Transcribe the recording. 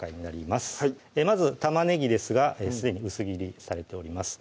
まず玉ねぎですがすでに薄切りされております